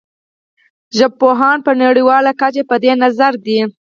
ژبپوهان په نړیواله کچه په دې نظر دي